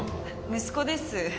息子です。